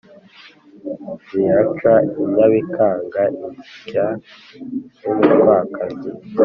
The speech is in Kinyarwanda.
ziraca i nyabikangaga: insya z'umutwakazi.